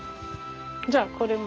じゃあこれも。